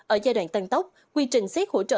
ở giai đoạn tăng tốc quy trình xét hỗ trợ